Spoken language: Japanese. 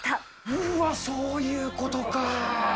うわ、そういうことか。